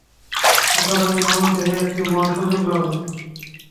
সুতরাং এই মানবদেহে একটি মহা সুযোগ লাভ হয়।